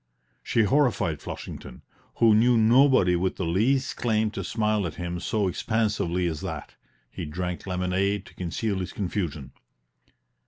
She horrified Flushington, who knew nobody with the least claim to smile at him so expansively as that; he drank lemonade to conceal his confusion.